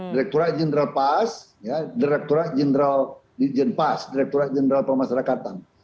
direkturat jeneral pas direkturat jeneral pemasarakatan